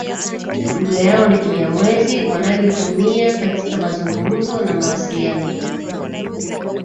Lugha yao ni Kinyamwezi wanayoitumia katika mazungumzo na mawasiliano